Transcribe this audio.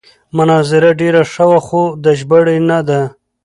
مناظره ډېره ښه وه خو د ژباړې نه ده.